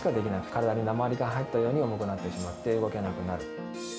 体に鉛が入ったように重くなってしまって、動けなくなる。